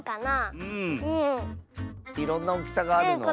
いろんなおおきさがあるの？